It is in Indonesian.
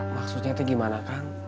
maksudnya teh gimana kang